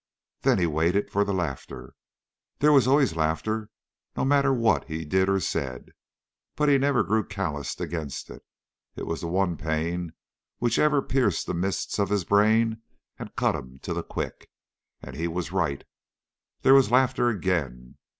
Then he waited for the laughter. There was always laughter, no matter what he did or said, but he never grew calloused against it. It was the one pain which ever pierced the mist of his brain and cut him to the quick. And he was right. There was laughter again.